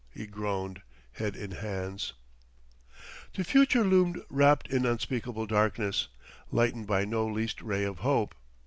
he groaned, head in hands. The future loomed wrapped in unspeakable darkness, lightened by no least ray of hope.